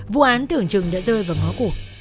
vụ án tưởng chừng đã rơi vào ngó cổ